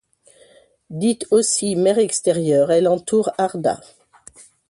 Dite aussi Mer Extérieure, elle entoure Arda.